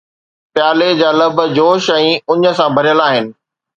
پيالي جا لب جوش ۽ اڃ سان ڀريل آهن